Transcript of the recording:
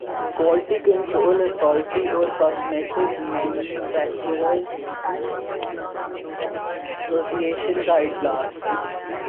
quality control authority اور cosmetics manufacturers association کا اجلاس